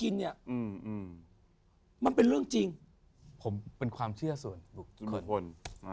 ดังเที่ยวส่วน